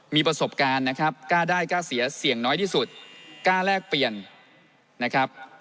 มีประสบการณ์นะครับกล้าได้กล้าเสียเสี่ยงน้อยที่สุดกล้าแลกเปลี่ยนนะครับ